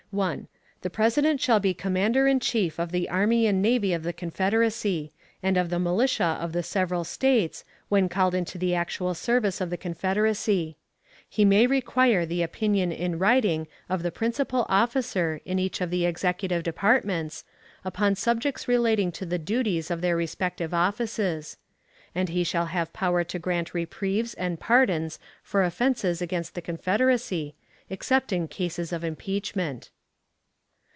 The President shall be Commander in Chief of the Army and Navy of the Confederacy, and of the militia of the several States, when called into the actual service of the Confederacy; he may require the opinion in writing of the principal officer in each of the executive departments, upon subjects relating to the duties of their respective offices; and he shall have power to grant reprieves and pardons for offenses against the Confederacy, except in cases of impeachment.